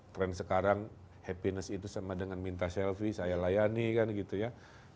tren sekarang happiness itu sama dengan minta selfie saya layani kan gitu ya